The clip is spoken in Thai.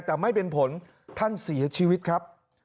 แต่ไม่เป็นผลท่านเสียชีวิตครับ